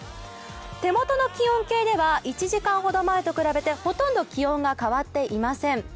手元の気温計では１時間ほど前と比べてほとんど気温が変わっていません。